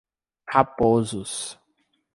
Raposos